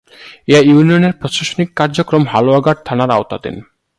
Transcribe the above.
এ ইউনিয়নের প্রশাসনিক কার্যক্রম হালুয়াঘাট থানার আওতাধীন।